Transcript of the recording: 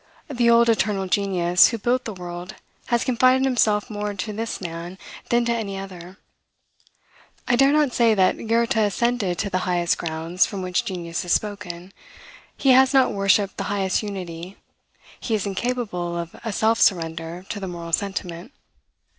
The old Eternal Genius who built the world has confided himself more to this man than to any other. I dare not say that Goethe ascended to the highest grounds from which genius has spoken. He has not worshipped the highest unity; he is incapable of a self surrender to the moral sentiment.